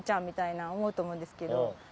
みたいな思うと思うんですけど。